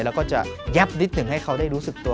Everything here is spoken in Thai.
แล้วก็จะแยบนิดหนึ่งให้เขาได้รู้สึกตัว